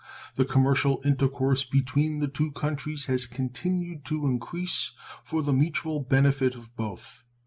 The commercial intercourse between the two countries has continued to increase for the mutual benefit of both.